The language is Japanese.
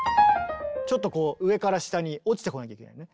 ちょっとこう上から下に落ちてこなきゃいけないね。